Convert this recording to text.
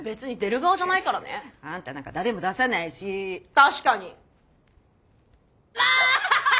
確かに。